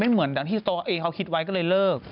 เหมือนดังที่โต๊ะเองเขาคิดไว้ก็เลยเลิก